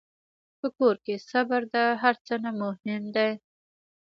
په کور کې صبر د هر څه نه مهم دی.